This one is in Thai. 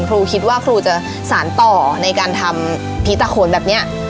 ครูคิดว่าครูจะสารต่อในการทำผีตะโขนแบบนี้